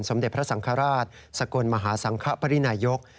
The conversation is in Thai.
สมเด็จพระสังฆราชสกลมหาสังคปรินายก